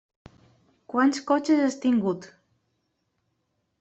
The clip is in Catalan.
Quants cotxes has tingut?